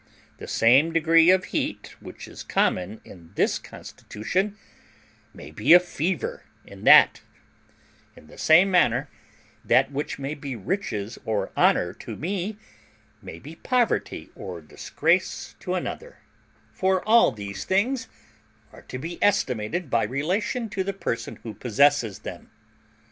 The same degree of heat which is common in this constitution may be a fever in that; in the same manner that which may be riches or honour to me may be poverty or disgrace to another: for all these things are to be estimated by relation to the person who possesses them.